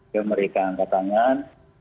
jadi mereka angkat tangan